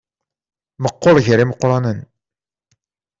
Meqqer gar yimeqqranen.